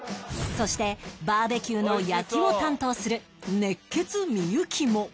そしてバーベキューの焼きを担当する熱血幸も